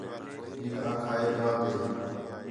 ہِک آکھا ہے ٻَئہ ݙے